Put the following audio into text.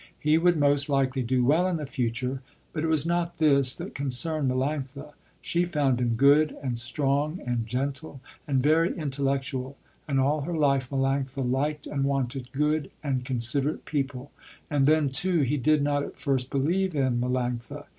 He would most likely do well in the future, but it was not this that concerned Melanctha. She found him good and strong and gentle and very intellectual, and all her life Melanctha liked and wanted good and considerate people, and then too he did not at first believe in Melanctha.